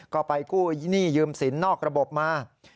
ก็ไปกู้หนี้ยืมสินนอกระบบมา